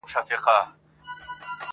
نه منمه ستا بیان ګوره چي لا څه کیږي!